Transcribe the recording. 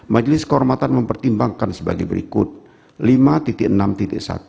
majelis kehormatan mempertimbangkan sebagai berikut